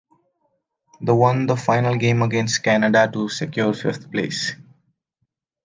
The won the final game against Canada to secure fifth place.